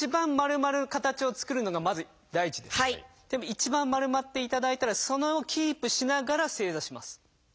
一番丸まっていただいたらそれをキープしながら正座します。